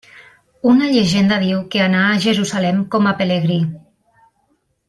Una llegenda diu que anà a Jerusalem com a pelegrí.